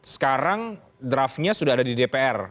sekarang draftnya sudah ada di dpr